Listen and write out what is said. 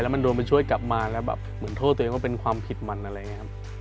มันโดนไปช่วยกลับมาแล้วแบบเหมือนโทษตัวเองว่าเป็นความผิดมันอะไรอย่างนี้ครับ